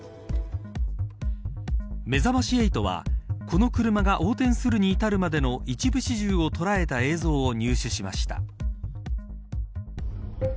めざまし８はこの車が横転するに至るまでの一部始終を捉えた映像を入手しました。